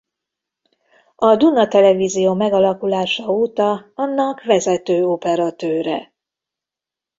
A Duna Televízió megalakulása óta annak vezető operatőre.